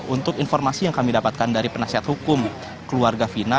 untuk informasi yang kami dapatkan dari penasihat hukum keluarga fina